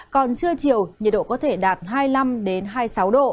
còn trưa chiều nhiệt độ có thể đạt hai mươi năm hai mươi sáu độ